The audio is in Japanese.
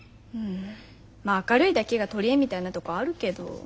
うんまあ明るいだけが取り柄みたいなとこあるけど。